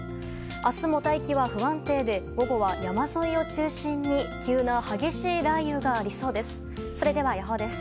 明日も大気は不安定で午後は山沿いを中心に急な激しい雷雨がありそうです。